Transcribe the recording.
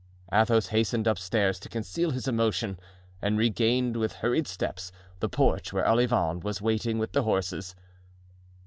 Athos hastened upstairs to conceal his emotion, and regained with hurried steps the porch where Olivain was waiting with the horses.